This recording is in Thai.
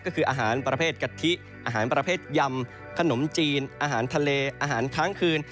ก็คืออาหารประเภทกะทิอาหารประเภทยำขนมจีนอาหารทะเลอาหารค้างคืน